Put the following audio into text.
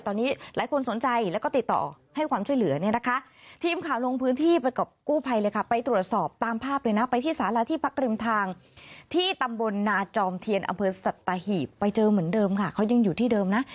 บนนาจอมเทียนอำเภอสัตตาหีบไปเจอเหมือนเดิมค่ะเขายังอยู่ที่เดิมนะ